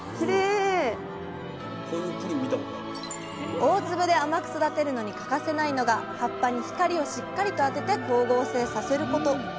大粒で甘く育てるのに欠かせないのが葉っぱに光をしっかりと当てて光合成させること。